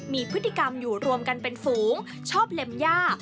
มีพฤติกรรมอยู่รวมกันเป็นฝูงชอบเล็มย่า